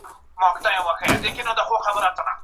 یو نوی او ښکلی تصویر.